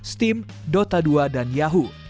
steam dota dua dan yahoo